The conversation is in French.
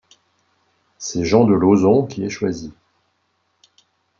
C'est Jean de Lauzon qui est choisi.